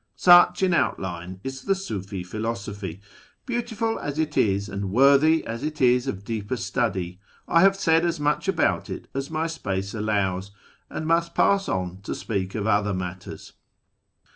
Such in outline is the Sufi philosophy. Beautiful as it is, and worthy as it is of deeper study, I have said as much about it as my space allows, and must pass on to speak of other matters.